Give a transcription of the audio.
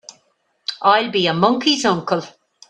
I'll be a monkey's uncle!